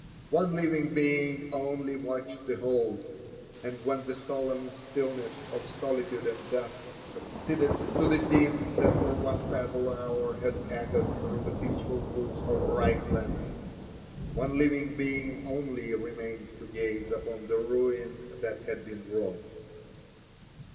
One living being only watched the whole ; and when the solemn stillness of solitude and death succeeded to the din that for one fatal hour had echoed through the peaceful woods of Reichland, one living being only remained to gaze upon the ruin that had been wrought.